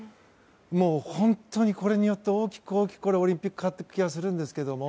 本当にこれによって大きく、大きくオリンピックが変わった気がするんですけど。